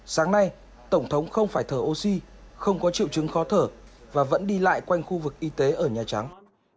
sáng nay tổng thống không phải thở oxy không có triệu chứng khó thở và vẫn đi lại quanh khu vực y tế ở nhà trắng